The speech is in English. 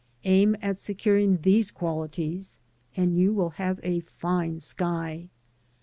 Aim at securing these qualities, and you will have a fine sky.